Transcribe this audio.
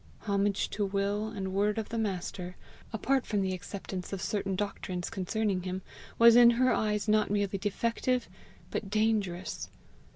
Homage to will and word of the Master, apart from the acceptance of certain doctrines concerning him, was in her eyes not merely defective but dangerous.